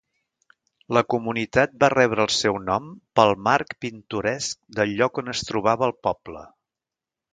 La comunitat va rebre el seu nom pel marc pintoresc del lloc on es trobava el poble.